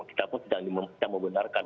kita pun tidak membenarkan